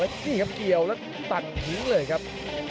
นี่ครับเกี่ยวแล้วตัดทิ้งเลยครับ